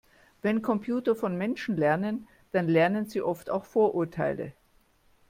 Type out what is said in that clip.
Wenn Computer von Menschen lernen, dann lernen sie oft auch Vorurteile.